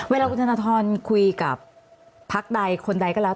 เวลาคุณธนทรคุยกับพักใดคนใดก็แล้ว